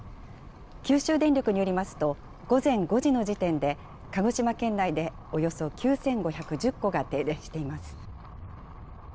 九州電力によりますと、午前５時の時点で鹿児島県内でおよそ９５１０戸が停電しています。